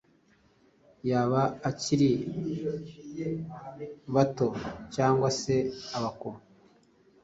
yaba abakiri bato cyangwa se abakuru.